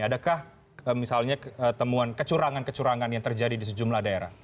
adakah misalnya temuan kecurangan kecurangan yang terjadi di sejumlah daerah